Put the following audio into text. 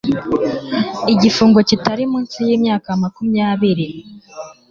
igifungo kitari munsi y imyaka makumyabiri